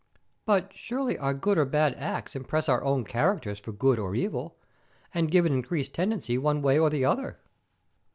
"But surely our good or bad acts impress our own characters for good or evil, and give an increased tendency one way or the other."